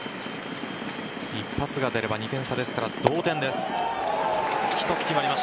一発が出れば２点差ですから同点です。